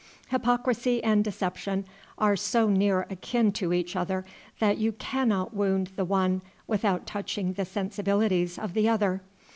Hypocrisy and deception are so near akin to each other that you can not wound the one without touching the sensibilities of the other.